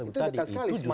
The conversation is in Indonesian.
itu dekat sekali